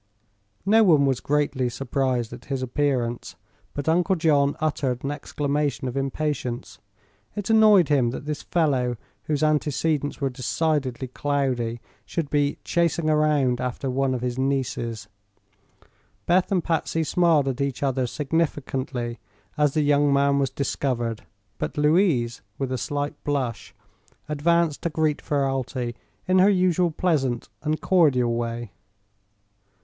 No one was greatly surprised at his appearance, but Uncle John uttered an exclamation of impatience. It annoyed him that this fellow, whose antecedents were decidedly cloudy, should be "chasing around" after one of his nieces, Beth and Patsy smiled at each other significantly as the young man was discovered, but Louise, with a slight blush, advanced to greet Ferralti in her usual pleasant and cordial way.